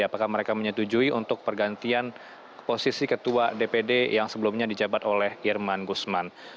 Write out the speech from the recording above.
apakah mereka menyetujui untuk pergantian posisi ketua dpd yang sebelumnya dijabat oleh irman gusman